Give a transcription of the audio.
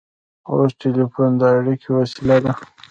اوس ټیلیفون د اړیکې وسیله ده.